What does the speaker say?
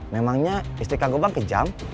memangnya istri kang gubang kejam